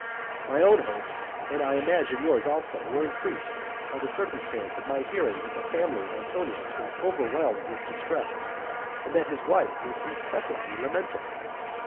My own hopes, and I imagine yours also, were increased by the circumstance of my hearing that the family of Antonius was overwhelmed with distress, and that his wife was incessantly lamenting.